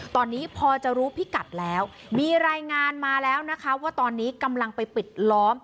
ตอนนี้พอจะรู้พิกัดแล้วมีรายงานมาแล้วนะคะว่าตอนนี้กำลังไปปิดล้อม